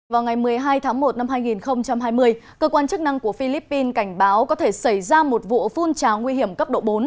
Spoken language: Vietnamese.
vào ngày một mươi hai tháng một năm hai nghìn hai mươi cơ quan chức năng của philippines cảnh báo có thể xảy ra một vụ phun trào nguy hiểm cấp độ bốn